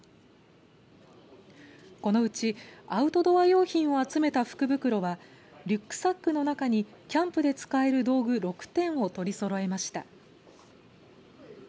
このうちアウトドア用品を集めた福袋はリュックサックの中にキャンプで使える道具６点を取りそろえました。